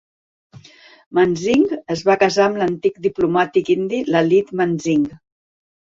Mansingh es va casar amb l'antic diplomàtic indi Lalit Mansingh.